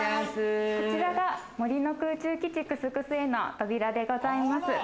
こちらが森の空中基地くすくすへの扉でございます。